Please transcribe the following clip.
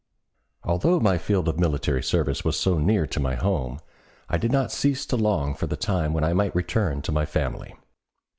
Although my field of military service was so near to my home, I did not cease to long for the time when I might return to my family.